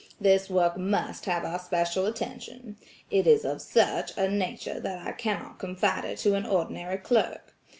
This work must have our special attention. It is of such a nature that I can not confide it to an ordinary clerk.